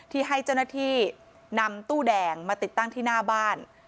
ที่ให้เจ้าหน้าที่นำตู้แดงมาติดตั้งที่หน้าบ้าน